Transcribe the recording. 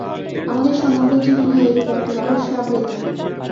আমাদের সমগ্র জীবনই এইরূপ একটা রহস্যে আবৃত।